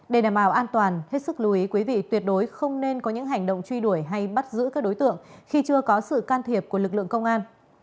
để đảm bảo an toàn hết sức lưu ý quý vị tuyệt đối không nên có những hành động truy đuổi hay bắt giữ các đối tượng khi chưa có sự can thiệp của lực lượng công an